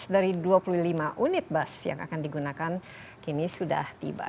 tujuh belas dari dua puluh lima unit bus yang akan digunakan kini sudah tiba